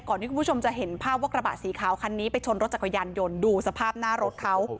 ที่คุณผู้ชมจะเห็นภาพว่ากระบะสีขาวคันนี้ไปชนรถจักรยานยนต์ดูสภาพหน้ารถเขา